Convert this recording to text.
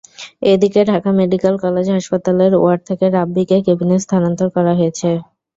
এদিকে, Dhaka medical college হাসপাতালের ward থেকে রাব্বীকে কেবিনে স্থানান্তর করা হয়েছে।